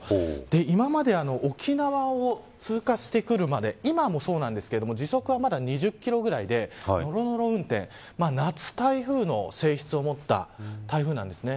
今まで沖縄を通過してくるまで今もそうなんですけど時速はまだ２０キロぐらいでのろのろ運転夏台風の性質を持った台風なんですね。